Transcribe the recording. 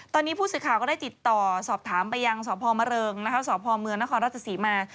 ตอนนี้ผู้สื่อข่าวก็ได้ติดต่อสอบถามไปยังสพมะเริงนะคะสพเมืองนครราชศรีมา